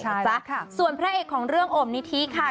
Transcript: ใช่แล้วค่ะส่วนพระเอกของเรื่องโอบนิธิค่ะ